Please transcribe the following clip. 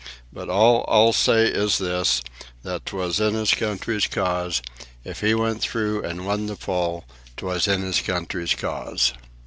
But all I'll say is this that 'twas in his country's cause; If he went through and won the Pole, 'twas in his country's cause.